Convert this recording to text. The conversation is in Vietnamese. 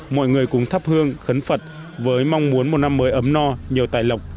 mọi người cũng thắp hương khấn phật với mong muốn một năm mới ấm no nhiều tài lọc